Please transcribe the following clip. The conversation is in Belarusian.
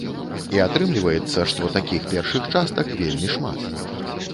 І атрымліваецца, што такіх першых частак вельмі шмат.